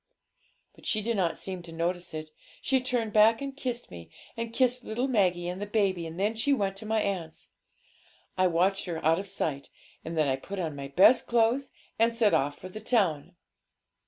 But she did not seem to notice it; she turned back and kissed me, and kissed little Maggie and the baby, and then she went to my aunt's. I watched her out of sight, and then I put on my best clothes and set off for the town.'